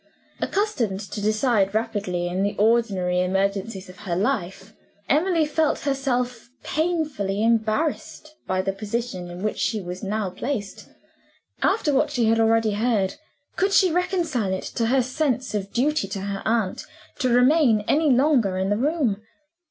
Accustomed to decide rapidly in the ordinary emergencies of her life, Emily felt herself painfully embarrassed by the position in which she was now placed. After what she had already heard, could she reconcile it to her sense of duty to her aunt to remain any longer in the room?